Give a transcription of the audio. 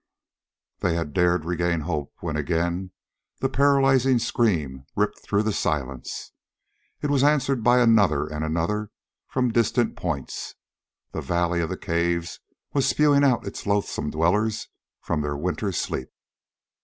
They had dared regain hope when again the paralyzing scream ripped through the silence. It was answered by another and another from distant points. The valley of the caves was spewing out its loathsome dwellers from their winter's sleep.